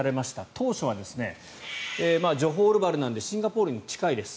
当初はジョホールバルなのでシンガポールに近いです。